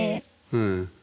うん。